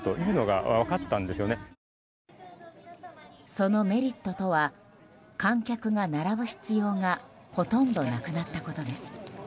そのメリットとは観客が並ぶ必要がほとんどなくなったことです。